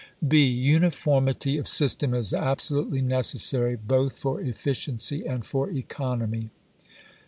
(B) Uniformity of system is absolutely necessary, both for efficiency and for economy.